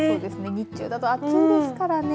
日中だと暑いですからね。